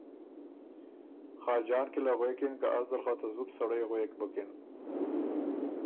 خاجان کی له غوېکِن که ”ازدل خه ته زُت سړئ غوېک بُکِن